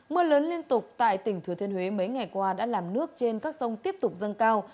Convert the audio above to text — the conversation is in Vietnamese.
mưa lớn liên tục tại tỉnh thừa thiên huế mấy ngày qua đã làm nước trên các sông tiếp tục dâng cao